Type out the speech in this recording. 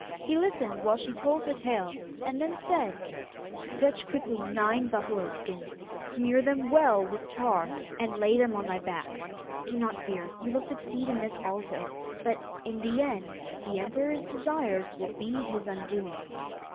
He listened while she told her tale, and then said: 'Fetch quickly nine buffalo skins; smear them well with tar, and lay them on my back. Do not fear; you will succeed in this also; but, in the end, the emperor's desires will be his undoing.